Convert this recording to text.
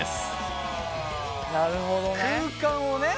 なるほどね。